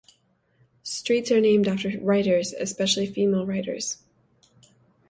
Streets are named after writers, especially female writers.